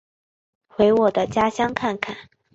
回我的家乡看看